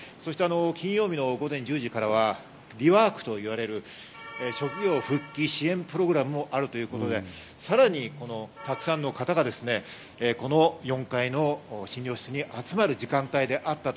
金曜日の午前１０時からはリワークといわれる職業復帰支援プログラムもあるということで、さらにたくさんの方がこの４階の診療室に集まる時間帯であったと。